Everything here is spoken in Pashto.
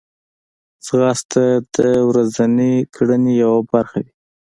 ځغاسته د ورځنۍ کړنې یوه برخه وي